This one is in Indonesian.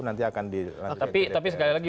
nanti akan dilantik tapi sekali lagi